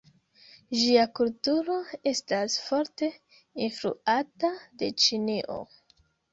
Ĝia kulturo estas forte influata de Ĉinio.